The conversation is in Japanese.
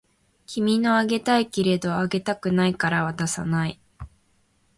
君のあげたいけれどあげたくないから渡さない